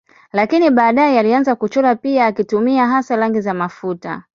Lakini baadaye alianza kuchora pia akitumia hasa rangi za mafuta.